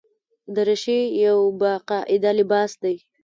دریشي یو باقاعده لباس دی.